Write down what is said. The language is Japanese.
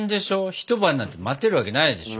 一晩なんて待てるわけないでしょ。